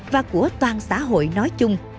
và của toàn xã hội nói chung